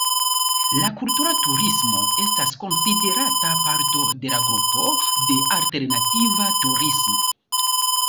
La kultura turismo estas konsiderata parto de la grupo de "alternativa turismo".